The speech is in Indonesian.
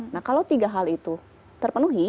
nah kalau tiga hal itu terpenuhi